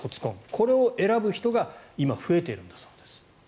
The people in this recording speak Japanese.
これを選ぶ人が今、増えているんだそうです。